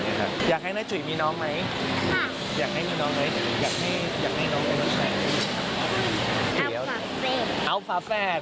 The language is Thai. เออยอมให้มีแล้วนะคะ